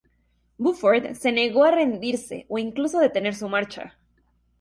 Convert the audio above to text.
Buford se negó a rendirse o incluso a detener su marcha.